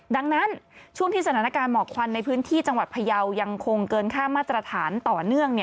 ดังนั้นช่วงที่สถานการณ์หมอกควันในพื้นที่จังหวัดพยาวยังคงเกินค่ามาตรฐานต่อเนื่อง